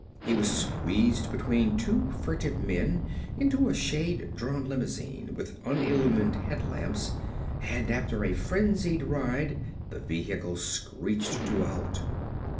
He was squeezed between two furtive men into a shade drawn limousine with unillumined headlamps and after a frenzied ride the vehicle screeched to a halt.